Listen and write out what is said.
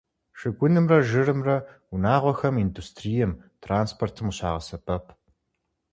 Шыгунымрэ жырымрэ унагъуэхэм, индустрием, транспортым къыщагъэсэбэп.